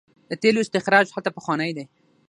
د تیلو استخراج هلته پخوانی دی.